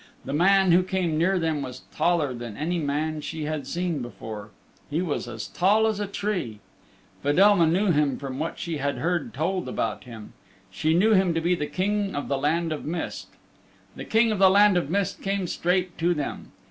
The man who came near them was taller than any man she had seen before he was tall as a tree. Fedelma knew him from what she had heard told about him she knew him to be the King of the Land of Mist. The King of the Land of Mist came straight to them.